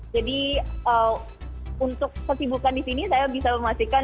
jadi untuk kesibukan di sini saya bisa memastikan